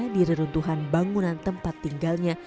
di reruntuhan bangunan tempat tinggalnya